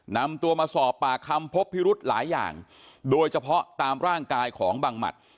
นำตัวมาสอบปากคำพบพิรุธหลายอย่างโดยเฉพาะตามร่างกายของบังหมัด